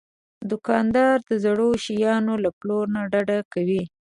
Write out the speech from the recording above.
دوکاندار د زړو شیانو له پلور نه ډډه کوي.